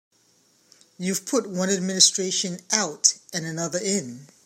You've put one administration out and another in.